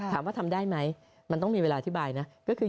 ทำได้ไหมมันต้องมีเวลาอธิบายนะ